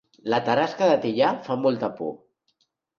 La tarasca de Teià fa molta por